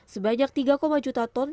sebanyak tiga juta ton